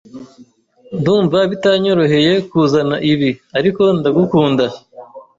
Ndumva bitanyoroheye kuzana ibi, ariko ndagukunda.